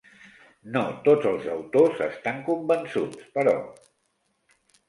No tots els autors estan convençuts, però.